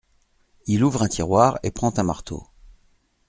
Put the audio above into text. Il ouvre un tiroir et prend un marteau.